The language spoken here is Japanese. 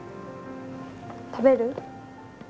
食べる？